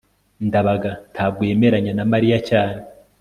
ndabaga ntabwo yemeranya na mariya cyane